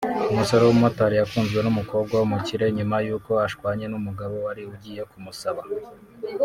Umusore w’umumotari yakunzwe n’umukobwa w’umukire nyuma y’uko ashwanye n’umugabo wari ugiye kumusaba